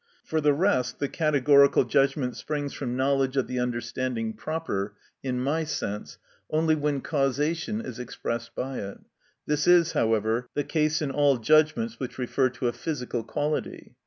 For the rest, the categorical judgment springs from knowledge of the understanding proper, in my sense, only when causation is expressed by it; this is, however, the case in all judgments which refer to a physical quality.